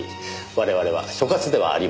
我々は所轄ではありません。